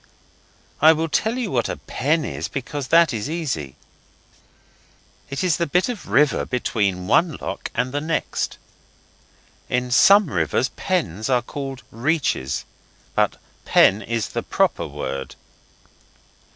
I will tell you what a pen is because that is easy. It is the bit of river between one lock and the next. In some rivers 'pens' are called 'reaches', but pen is the proper word.